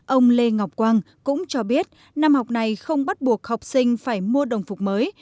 ông lê ngọc quang cũng cho biết năm học này không bắt buộc học sinh phải mua đồng phục mới